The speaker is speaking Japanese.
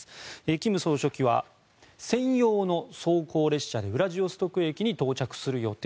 金総書記は専用の装甲列車でウラジオストク駅に到着する予定。